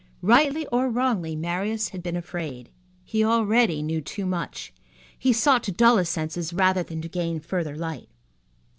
Rightly or wrongly, Marius had been afraid. He already knew too much. He sought to dull his senses rather than to gain further light.